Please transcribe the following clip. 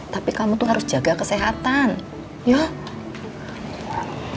tapi kamu tuh harus jaga kesehatan yuk